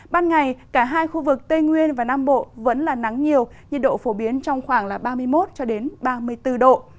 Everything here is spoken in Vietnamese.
ban ngày cả hai khu vực tây nguyên và nam bộ vẫn là nắng nhiều nhiệt độ phổ biến trong khoảng ba mươi một ba mươi bốn độ